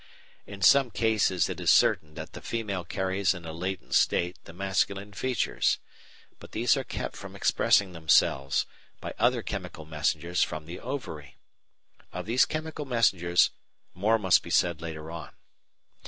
In some cases it is certain that the female carries in a latent state the masculine features, but these are kept from expressing themselves by other chemical messengers from the ovary. Of these chemical messengers more must be said later on.